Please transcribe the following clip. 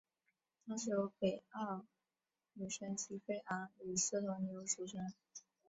它是由北欧女神吉菲昂与四头牛所组成。